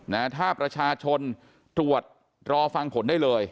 ถ้าประชาชนตรวจรอฟังผลได้เลย